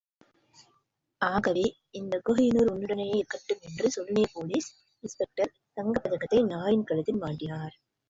ஆகவே, இந்த கோஹினூர் உன்னுடனேயே இருக்கட்டும் என்று சொல்லிய போலீஸ் இன்ஸ்பெக்டர் தங்கப் பதக்கத்தை நாயின் கழுத்தில் மாட்டினார்.